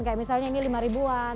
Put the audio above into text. kayak misalnya ini lima ribuan